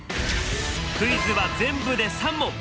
クイズは全部で３問。